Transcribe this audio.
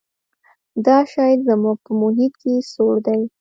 دا شی زموږ په محیط کې سوړ دی.